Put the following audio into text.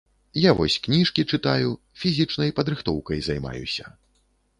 Я вось кніжкі чытаю, фізічнай падрыхтоўкай займаюся.